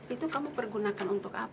itu kamu pergunakan untuk apa